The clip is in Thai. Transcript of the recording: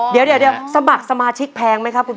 เดี๋ยวสมัครสมาชิกแพงไหมครับคุณพ่อ